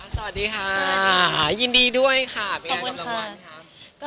สวัสดีค่ะยินดีด้วยค่ะเป็นไงกำลังวันครับ